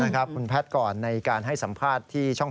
คุณแพทย์ก่อนในการให้สัมภาษณ์ที่ช่อง๓